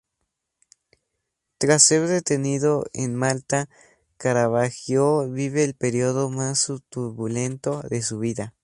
Tras ser detenido en Malta, Caravaggio vive el período más turbulento de su vida.